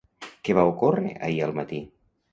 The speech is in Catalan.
Què va ocórrer ahir al matí?